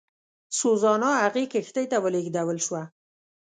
سوزانا هغې کښتۍ ته ولېږدول شوه.